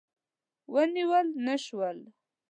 ونیول نه شول.